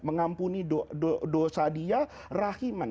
mengampuni dosa dia rahiman